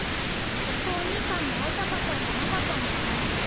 ずっとお兄さんに会いたかったんじゃなかったのかな？